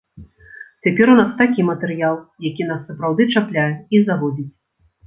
Цяпер у нас такі матэрыял, які нас сапраўды чапляе і заводзіць.